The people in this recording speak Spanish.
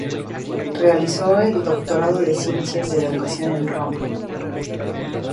Realizó el doctorado de Ciencias de la Educación en Roma.